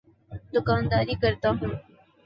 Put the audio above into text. دوکانداری کرتا ہوں۔